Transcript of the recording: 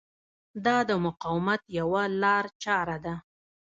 دا د مقاومت یوه لارچاره ده.